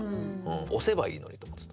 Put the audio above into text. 押せばいいのにと思ってた。